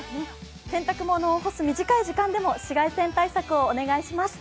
洗濯物を干す短い時間でも紫外線対策をお願いします。